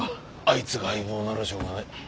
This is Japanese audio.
あいつが相棒ならしょうがない。